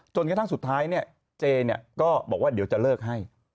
จนกระทั่งสุดท้ายเนี่ยเจก็บอกว่าเดี๋ยวจะเลิกให้